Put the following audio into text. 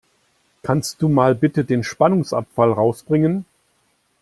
Kannst du mal bitte den Spannungsabfall rausbringen?